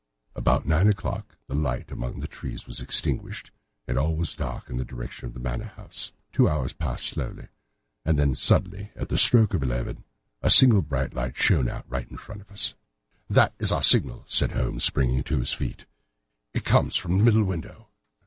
About nine o'clock the light among the trees was extinguished, and all was dark in the direction of the Manor House. Two hours passed slowly away, and then, suddenly, just at the stroke of eleven, a single bright light shone out right in front of us. "That is our signal," said Holmes, springing to his feet; "it comes from the middle window."